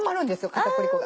片栗粉が。